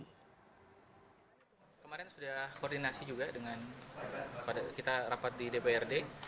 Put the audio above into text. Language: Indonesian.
kemarin sudah koordinasi juga dengan pada kita rapat di dprd